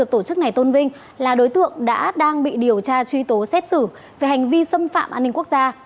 tổ chức này tôn vinh là đối tượng đã đang bị điều tra truy tố xét xử về hành vi xâm phạm an ninh quốc gia